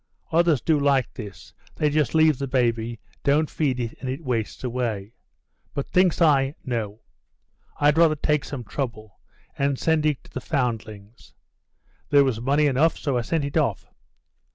Others do like this: they just leave the baby, don't feed it, and it wastes away. But, thinks I, no; I'd rather take some trouble, and send it to the Foundlings'. There was money enough, so I sent it off."